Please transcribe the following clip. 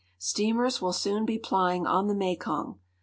Steamers will soon be plying on the Mekong.